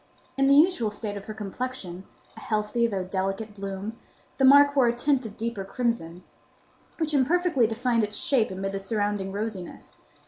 In the usual state of her complexion—a healthy though delicate bloom—the mark wore a tint of deeper crimson, which imperfectly defined its shape amid the surrounding rosiness.